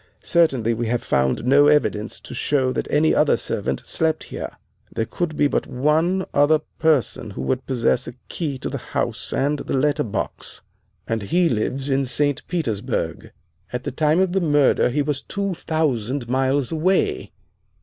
Certainly we have found no evidence to show that any other servant slept here. There could be but one other person who would possess a key to the house and the letter box and he lives in St. Petersburg. At the time of the murder he was two thousand miles away.